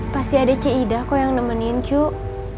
pasti ada ce ida kok yang nemenin cuk